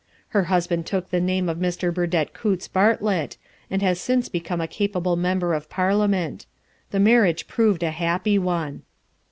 Her husband took the name of Mr. Burdett Coutts Bartlett, and has since become a capable member of Parliament. The marriage proved a happy one.